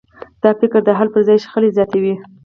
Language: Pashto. دا فکر د حل پر ځای شخړې زیاتوي.